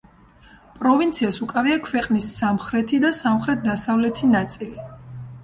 პროვინციას უკავია ქვეყნის სამხრეთი და სამხრეთ-დასავლეთი ნაწილი.